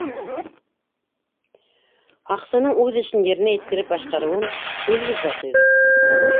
Һаҡсының үҙ эшен еренә еткереп башҡарыуын үҙебеҙ ҙә тойҙоҡ.